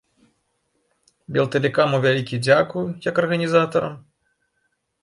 Белтэлекаму вялікі дзякуй, як арганізатарам.